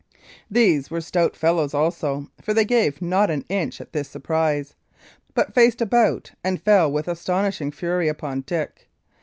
These were stout fellows also, for they gave not an inch at this surprise, but faced about, and fell with astonishing fury upon Dick.